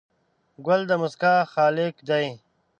ګل د موسکا خالق دی.